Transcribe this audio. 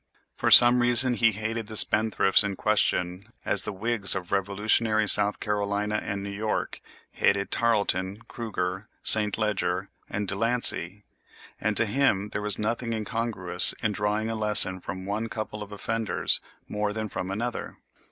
For some reason he hated the spendthrifts in question as the Whigs of Revolutionary South Carolina and New York hated Tarleton, Kruger, Saint Leger, and De Lancey; and to him there was nothing incongruous in drawing a lesson from one couple of offenders more than from another.